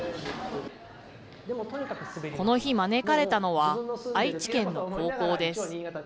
この日、招かれたのは愛知県の高校です。